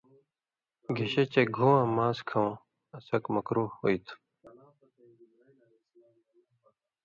گِشے چے گھوواں ماس کھؤں اڅھک (مکروہ) ہُوئ تھو،